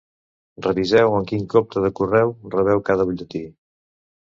Reviseu en quin compte de correu rebeu cada butlletí.